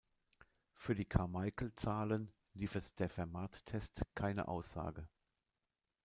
Für die Carmichael-Zahlen liefert der Fermat-Test keine Aussage.